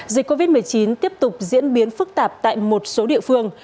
dịch covid một mươi chín tiếp tục diễn biến phức tạp tại một số địa phương